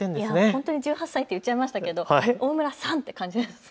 本当に１８歳って言っちゃいましたけど大村さんって感じですね。